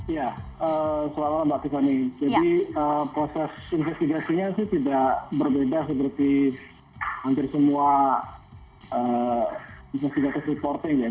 ya seolah olah mbak tiffany jadi proses investigasinya sih tidak berbeda seperti hampir semua investigasi reporting ya